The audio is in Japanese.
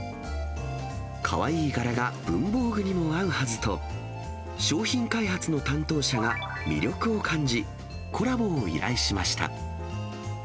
かわいい柄が文房具にも合うはずと、商品開発の担当者が魅力を感じ、コラボを依頼しました。